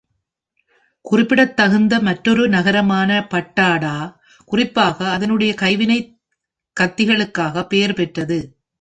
குறிப்பிடத்தகுந்த மற்றொரு நகரமான பட்டாடா, குறிப்பாக அதனுடைய கைவினை கத்திகளுக்காக பெயர்பெற்றது.